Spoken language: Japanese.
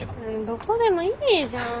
どこでもいいじゃん。